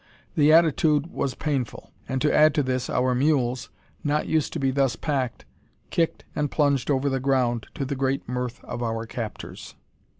The attitude was painful; and to add to this, our mules, not used to be thus packed, kicked and plunged over the ground, to the great mirth of our captors.